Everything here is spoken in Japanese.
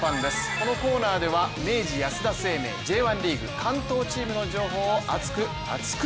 このコーナーでは明治安田生命Ｊ１リーグ、関東チームの情報を熱く！